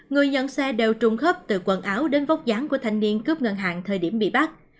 người nhận xe đều trung khớp từ quần áo đến vóc dán của thanh niên cướp ngân hàng thời điểm bị bắt